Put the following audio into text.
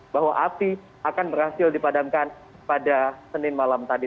bahwa api akan berhasil dipadamkan pada senin malam tadi